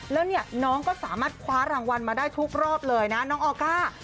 แล้วเนี่ยน้องก็สามารถคว้ารางวัลมาได้ทุกรอบเลยนะน้องออก้า